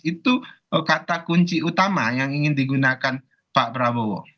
itu kata kunci utama yang ingin digunakan pak prabowo